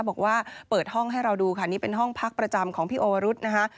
บอกว่าเปิดห้องให้เราดูค่ะนี่เป็นห้องพักประจำของพี่โอวรุษนะคะ